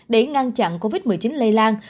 để ngăn chặn covid một mươi chín lây lan